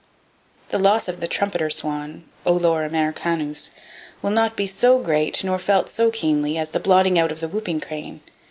The loss of the trumpeter swan (Olor americanus) will not be so great, nor felt so keenly, as the blotting out of the whooping crane.